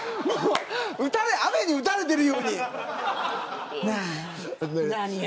雨に打たれているように。